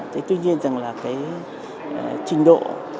thì tuy nhiên rằng là cái trình độ